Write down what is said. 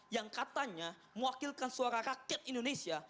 yang katanya mewakilkan suara rakyat indonesia